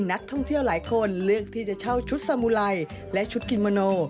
นักท่องเที่ยวหลายคนเลือกที่จะเช่าชุดสมุไรและชุดกิมมโน